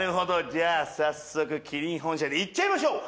じゃあ早速キリン本社でいっちゃいましょう。